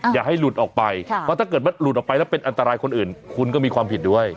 อย่าให้หลุดออกไปเพราะถ้าเกิดมันหลุดออกไปแล้วเป็นอันตรายคนอื่นคุณก็มีความผิดด้วย